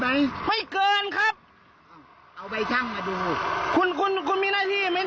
อ้าวผมไร้สวดอยู่นะ